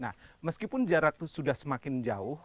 nah meskipun jarak sudah semakin jauh